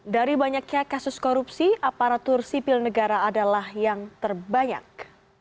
dari banyaknya kasus korupsi aparatur sipil negara adalah yang terbanyak